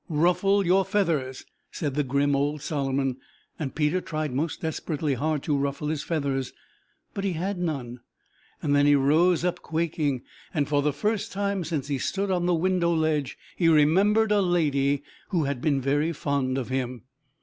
"Ruffle your feathers," said that grim old Solomon, and Peter tried most desperately hard to ruffle his feathers, but he had none. Then he rose up, quaking, and for the first time since he stood on the window ledge, he remembered a lady who had been very fond of him.